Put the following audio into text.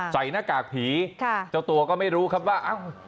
ใส่หน้ากากผีเจ้าตัวก็ไม่รู้ครับว่าเอ้า